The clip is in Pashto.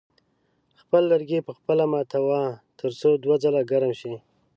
خپل لرګي په خپله ماتوه تر څو دوه ځله ګرم شي.